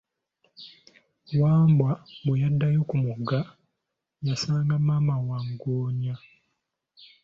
Wambwa bwe yaddayo ku mugga, yasanga maama Waggoonya.